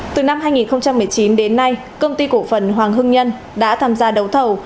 từ năm hai nghìn một mươi chín đến nay công ty cổ phần hoàng hưng nhân đã tham gia đấu thầu